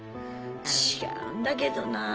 違うんだけどなあ。